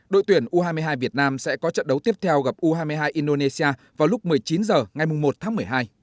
đội tuyển u hai mươi hai việt nam sẽ có trận đấu tiếp theo gặp u hai mươi hai indonesia vào lúc một mươi chín h ngày một tháng một mươi hai